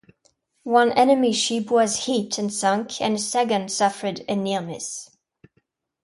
One enemy ship was hit and sunk, and a second suffered a near-miss.